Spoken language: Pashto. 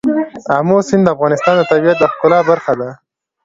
آمو سیند د افغانستان د طبیعت د ښکلا برخه ده.